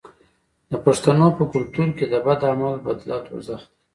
د پښتنو په کلتور کې د بد عمل بدله دوزخ دی.